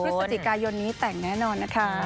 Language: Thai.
พฤศจิกายนนี้แต่งแน่นอนนะคะ